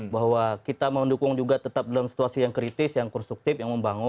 bahwa kita mendukung juga tetap dalam situasi yang kritis yang konstruktif yang membangun